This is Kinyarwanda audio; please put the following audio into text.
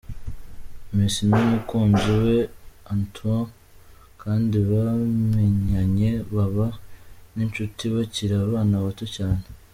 Messi n'umukunzi we Anto kandi bamenyanye baba n'inshuti bakiri abana bato cyane.